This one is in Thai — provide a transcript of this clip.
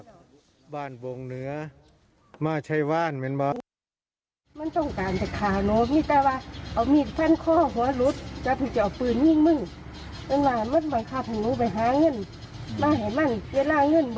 คือว่าเขาจะอย่างกันเมื่อไหร่